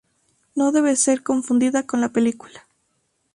No debe ser confundida con la película.